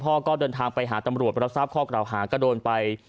พ่อก็เดินทางไปหาตำรวจมารับทราบข้อกล่าวหาก็โดนไป